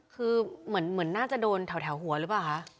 คือเหมือนน่าจะโดนแถวหัวหรือเปล่าคะ